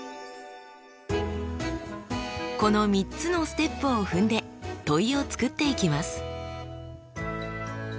この３つのステップを踏んで問いを作っていきます。